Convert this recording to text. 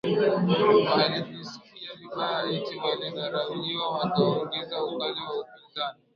walijisikia vibaya eti walidharauliwa wakaongeza ukali wa upinzani